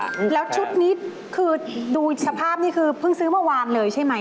อืมแล้วชุดนี้คือดูสภาพนี่คือเพิ่งซื้อเมื่อวานเลยใช่ไหม